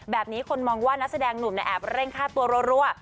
แบบนี้คนมองว่านักแสดงหนุ่มนะแอบเร่งฆ่าตัวเรื่อย